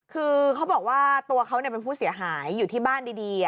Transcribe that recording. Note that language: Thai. คือเขาบอกว่าตัวเขาเป็นผู้เสียหายอยู่ที่บ้านดี